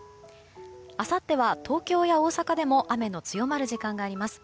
あさっては東京や大阪でも雨の強まる時間があります。